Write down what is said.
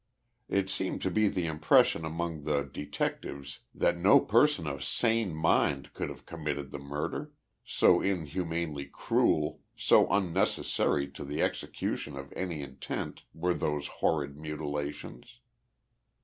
It seemed to be the impression among the detectives that no person of sane mind could have com mitted the murder, so inhumanely cruel, so unnecessary to the execution of any intent were those horrid mutilations.